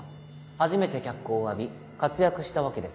初めて脚光を浴び活躍したわけです。